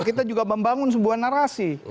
kita juga membangun sebuah narasi